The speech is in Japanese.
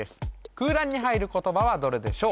空欄に入る言葉はどれでしょう